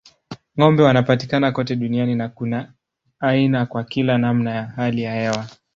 Ng'ombe wanapatikana kote duniani na kuna aina kwa kila namna ya hali ya hewa.